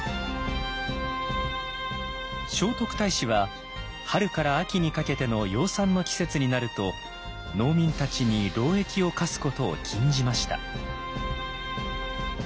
聖徳太子は春から秋にかけての養蚕の季節になると農民たちに労役を課すことを禁じました。